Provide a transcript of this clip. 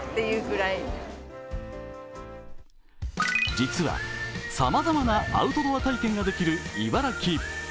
実はさまざまなアウトドア体験ができる茨城。